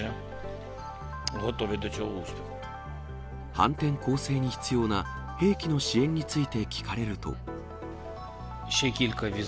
反転攻勢に必要な、兵器の支援について聞かれると。